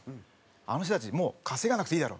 「あの人たちもう稼がなくていいだろ」。